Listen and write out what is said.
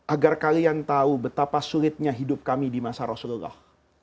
agar kalian tahu betapa sulitnya hidup kami di masa rasulullah